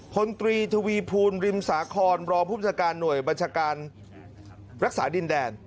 คนตรีทวีภูมิริมศาครบรพุทธการหน่วยบัญชาการรักษาดินแดน